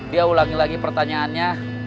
dia ulangi lagi pertanyaannya